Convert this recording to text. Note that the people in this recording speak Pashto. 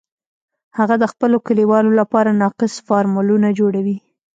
هغه د خپلو کلیوالو لپاره ناقص فارمولونه جوړوي